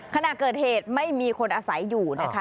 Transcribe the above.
ขณะเกิดเหตุไม่มีคนอาศัยอยู่นะคะ